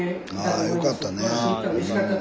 ああよかったね。